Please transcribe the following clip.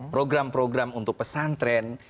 program program untuk pesantren